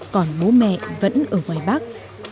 còn bố mẹ vẫn ở ngoài bắc